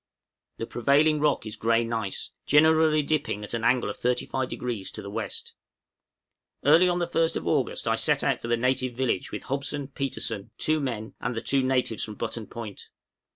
The prevailing rock is grey gneiss, generally dipping at an angle of 35° to the west. Early on the 1st of August I set out for the native village with Hobson, Petersen, two men, and the two natives from Button Point.